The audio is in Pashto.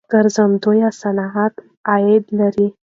ګرځندوی صنعت عاید لري.